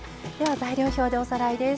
材料表でおさらいです。